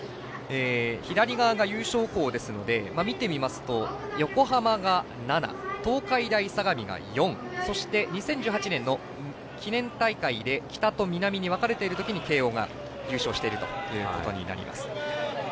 左側が優勝校ですので横浜が７、東海大相模が４そして、２０１８年の記念大会で北と南に分かれているときに慶応が優勝しているということになります。